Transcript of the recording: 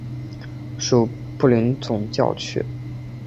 属卢布林总教区。